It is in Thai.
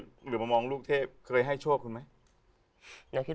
จำเป็นแต้งเดต